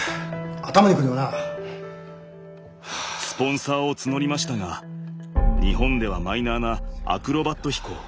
スポンサーを募りましたが日本ではマイナーなアクロバット飛行。